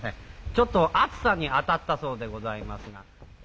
ちょっと暑さにあたったそうでございますが。